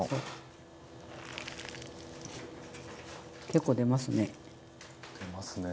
結構出ますね。